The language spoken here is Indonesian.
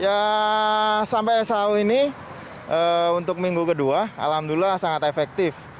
ya sampai sejauh ini untuk minggu kedua alhamdulillah sangat efektif